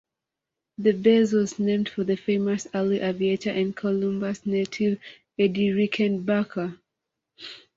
The base was named for the famous early aviator and Columbus native Eddie Rickenbacker.